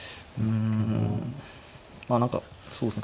まあ何かそうですね。